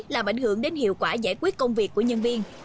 làm ảnh hưởng đến hiệu quả giải quyết công việc của nhân viên